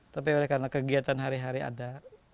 tapi oleh karena kegiatan hari hari ada